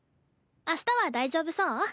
明日は大丈夫そう？